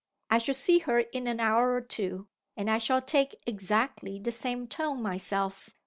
I shall see her in an hour or two, and I shall take exactly the same tone myself.